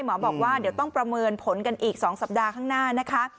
หมอบอกว่าเดี๋ยวต้องประเมินผลกันอีก๒สัปดาห์ข้างหน้านะคะ